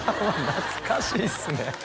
懐かしいっすね